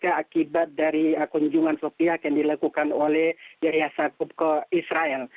kritikan mereka akibat dari kunjungan sepihak yang dilakukan oleh yahya khalilistakuf ke israel